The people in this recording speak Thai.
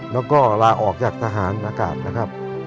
แล้วก็ลาออกจากทหารอากาศนะครับ